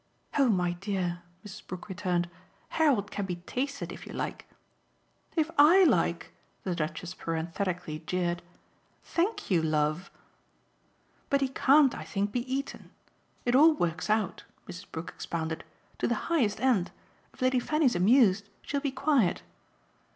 "Oh my dear," Mrs. Brook returned, "Harold can be tasted, if you like " "If I like?" the Duchess parenthetically jeered. "Thank you, love!" "But he can't, I think, be eaten. It all works out," Mrs. Brook expounded, "to the highest end. If Lady Fanny's amused she'll be quiet."